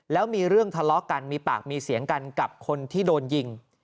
แล้วมีเรื่องทะเลาะกันมีปากมีเสียงกันกับคนที่โดนยิง